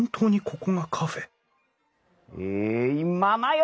えいままよ！